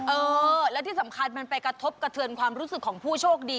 เออและที่สำคัญมันไปกระทบกระเทือนความรู้สึกของผู้โชคดี